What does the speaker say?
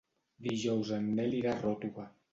Dijous en Nel irà a Ròtova.